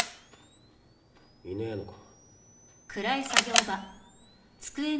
いねえのか。